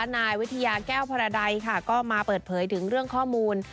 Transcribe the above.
นายวิทยาแก้วพรดัยค่ะก็มาเปิดเผยถึงเรื่องข้อมูล